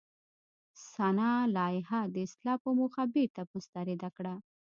سنا لایحه د اصلاح په موخه بېرته مسترده کړه.